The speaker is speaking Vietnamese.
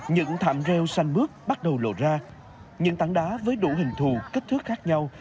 những thảm rêu xanh bước bắt đầu lộ ra những tảng đá với đủ hình thù kích thước khác nhau